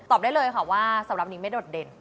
ได้เลยค่ะว่าสำหรับนี้ไม่โดดเด่น